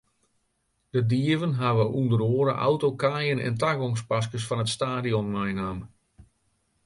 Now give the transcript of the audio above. De dieven hawwe ûnder oare autokaaien en tagongspaskes fan it stadion meinaam.